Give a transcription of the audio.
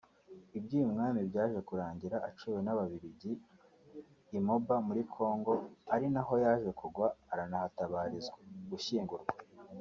Iby’uyu mwami byaje kurangira aciwe n’Ababiligi I Moba muri Kongo ari naho yaje kugwa aranahatabarizwa (gushyingurwa)